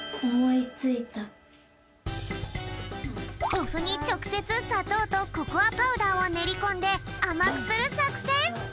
おふにちょくせつさとうとココアパウダーをねりこんであまくするさくせん！